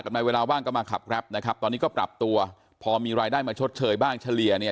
ในเวลาว่างก็มาขับแรปนะครับตอนนี้ก็ปรับตัวพอมีรายได้มาชดเชยบ้างเฉลี่ยเนี่ย